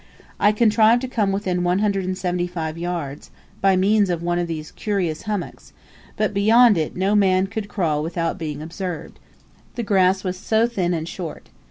I contrived to come within 175 yards, by means of one of these curious hummocks; but beyond it no man could crawl without being observed the grass was so thin and short.